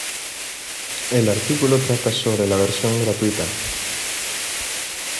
El artículo trata sobre la versión gratuita.